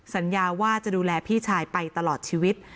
สัญญาว่าจะดูแลพี่ชายไปตลอดชีวิต